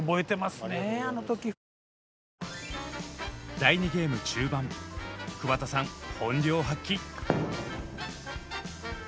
第２ゲーム中盤桑田さん本領発揮！